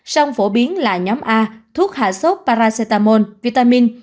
song phổ biến là nhóm a thuốc hạ sốt paracetamol vitamin